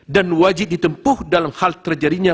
dan wajib ditempuh dalam hal terjadinya